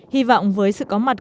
hy vọng với sự có mặt